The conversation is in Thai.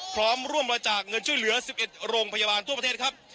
พร้อมร่วมบริจาคเงินช่วยเหลือ๑๑โรงพยาบาลทั่วประเทศครับ